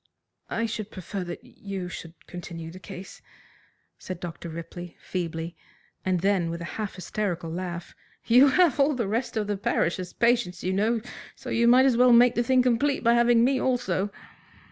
"I should prefer that you should continue the case," said Dr. Ripley feebly, and then, with a half hysterical laugh, "You have all the rest of the parish as patients, you know, so you may as well make the thing complete by having me also."